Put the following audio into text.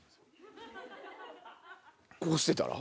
こうしてたら？